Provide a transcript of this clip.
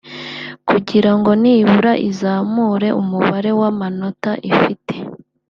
kugirango nibura izamure umubare w’amanota ifite